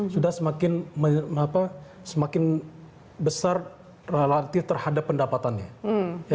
sudah semakin besar relatif terhadap pendapatannya